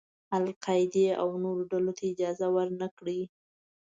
القاعدې او نورو ډلو ته اجازه ور نه کړي.